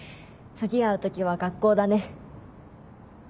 次会う時は学校だね。